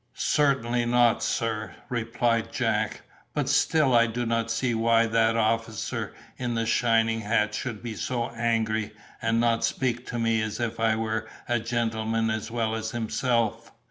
"Certainly not, sir," replied Jack, "but still I do not see why that officer in the shining hat should be so angry, and not speak to me as if I were a gentleman as well as himself."